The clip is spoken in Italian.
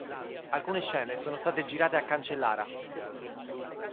Alcune scene sono state girate a Cancellara.